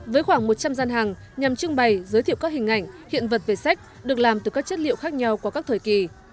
với khoảng một trăm linh gian hàng nhằm trưng bày giới thiệu các hình ảnh hiện vật về sách được làm từ các chất liệu khác nhau qua các thời kỳ